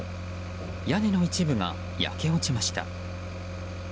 屋根の一部が焼け落ちました。